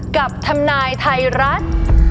กับธำนายไทรัช